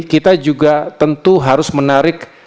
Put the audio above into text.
kita juga tentu harus menarik